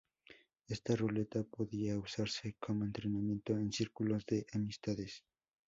Esta ruleta podía usarse como entretenimiento en círculos de amistades.